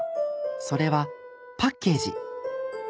それはパッケージ。